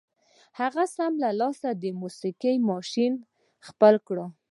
هغه سم له لاسه د موسيقۍ ماشين خپل کړ.